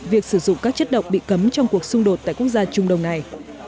việc sử dụng các chất độc bị cấm trong cuộc xung đột tại quốc gia trung đông này